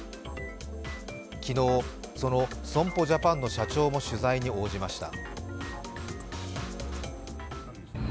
昨日、その損保ジャパンの社長も取材に応じました。